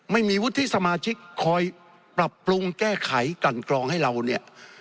ไม่มีวุฒิสมาชิกคอยปรับปรุงแก้ไขกันกรองให้เราเนี่ย